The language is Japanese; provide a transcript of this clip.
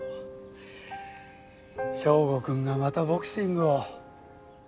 祥吾くんがまたボクシングを。